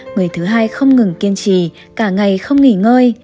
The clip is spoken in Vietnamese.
người thứ hai không ngừng kiên trì cả ngày không nghỉ ngơi